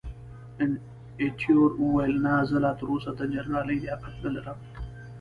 ایټور وویل، نه، زه لا تراوسه د جنرالۍ لیاقت نه لرم.